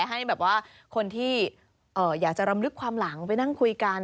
ให้แบบว่าคนที่อยากจะรำลึกความหลังไปนั่งคุยกัน